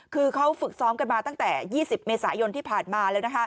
คือเขาฝึกซ้อมกันมาตั้งแต่๒๐เมษายนที่ผ่านมาแล้ว